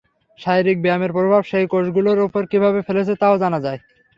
শারীরিক ব্যায়ামের প্রভাব সেই কোষগুলোর ওপর কীভাবে ফেলছে তাও জানা যায়।